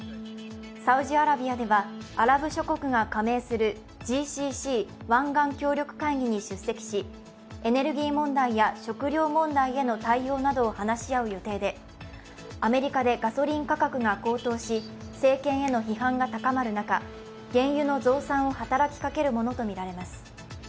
サウジアラビアではアラブ諸国が加盟するＧＣＣ＝湾岸協力会議に出席し、エネルギー問題や食糧問題への対応などを話し合う予定でアメリカでガソリン価格が高騰し、政権への批判が高まる中、原油の増産を働きかけるものとみられます。